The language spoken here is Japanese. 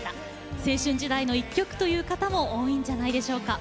青春時代の一曲という方も多いんじゃないでしょうか。